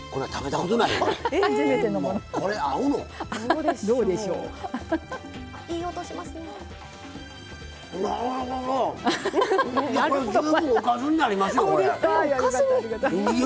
これ、十分おかずになりますよ！